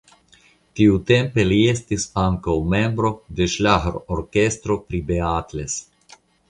Tiutempe li estis ankaŭ membro de ŝlagrorkestro pri Beatles.